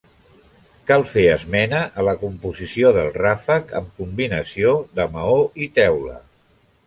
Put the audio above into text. Cal fer esmena a la composició del ràfec amb combinació de maó i teula.